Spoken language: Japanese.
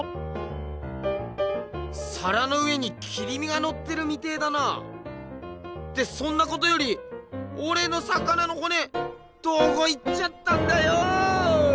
さらの上に切り身がのってるみてえだな！ってそんなことよりオレの魚のほねどこいっちゃったんだよ！